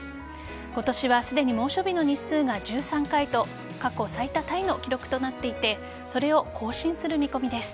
今年はすでに猛暑日の日数が１３回と過去最多タイの記録となっていてそれを更新する見込みです。